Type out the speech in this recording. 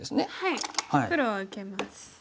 はい黒は受けます。